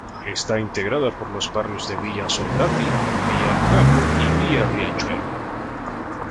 Está integrada por los barrios de Villa Soldati, Villa Lugano y Villa Riachuelo.